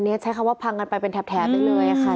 อันนี้ใช้คำว่าพังกันไปเป็นแถวไปเลยนะคะ